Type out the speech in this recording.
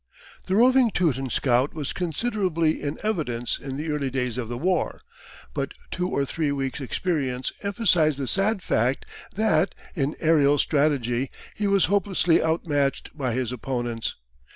The roving Teuton scout was considerably in evidence in the early days of the war, but two or three weeks' experience emphasised the sad fact that, in aerial strategy, he was hopelessly outmatched by his opponents.